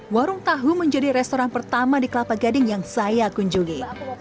warung tahu menjadi restoran pertama di kelapa gading yang saya kunjungi